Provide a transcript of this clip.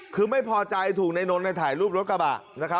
คือไม่พอใจถูกนายนนท์ถ่ายรูปรถกระบะนะครับ